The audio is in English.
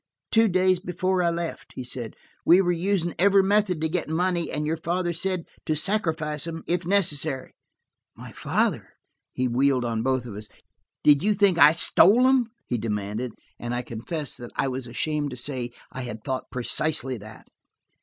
"Two days before I left," he said. "We were using every method to get money, and your father said to sacrifice them, if necessary." "My father!" He wheeled on us both. "Did you think I stole them?" he demanded. And I confess that I was ashamed to say I had thought precisely that.